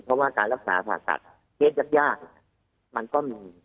เพราะว่าการรักษาผ่าตัดเคสยากมันก็มี